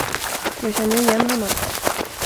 Jag känner igen honom.